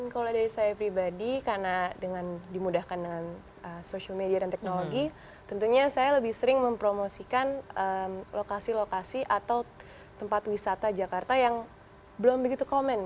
kalau dari saya pribadi karena dengan dimudahkan dengan social media dan teknologi tentunya saya lebih sering mempromosikan lokasi lokasi atau tempat wisata jakarta yang belum begitu common